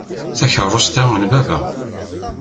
Takeṛṛust-a n baba.